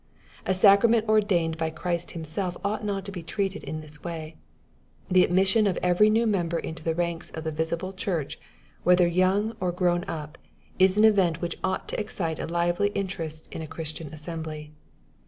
A sacrament ordained by Christ Himself ought not to be treated in this way. The admission of every new member into the ranks of the visible church, whether young or grown up, is an event which ought to excite a lively interest in a Christian assembly.